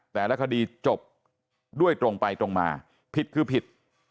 แต่ละคดีจบด้วยตรงไปตรงมาผิดคือผิด